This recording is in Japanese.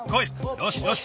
よしよし。